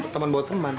teman bawa teman